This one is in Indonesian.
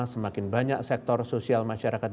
semakin banyak sektor sosial masyarakat